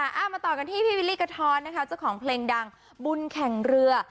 เอามาต่อกันที่พี่วิลลี่กะท้อนนะคะเจ้าของเพลงดังบุญแข่งเรือ